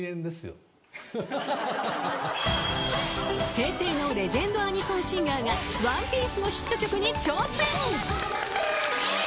［平成のレジェンドアニソンシンガーが『ＯＮＥＰＩＥＣＥ』のヒット曲に挑戦］